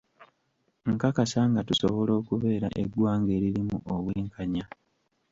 Nkakasa nga tusobola okubeera eggwanga eririmu obwenkanya.